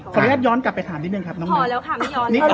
เพราะว่าต้องรอพี่เขาดูก่อนว่าพี่เขาโอเคหรือเปล่า